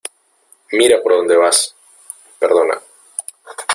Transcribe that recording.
¡ Mira por dónde vas! Perdona.